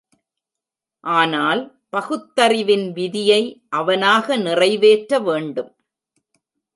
ஆனால், பகுத்தறிவின் விதியை அவனாக நிறைவேற்ற வேண்டும்.